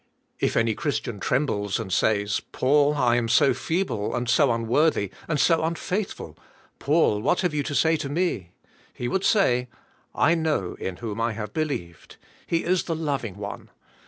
If any Christian trembles and says, *'Paul, I am so feeble and so un worthy and so unfaithful, Paul, what have you to say to me?" He would say, ''I know in whom I have be lieved. He is the loving One.